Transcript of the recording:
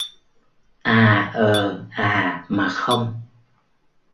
À ờ à mà không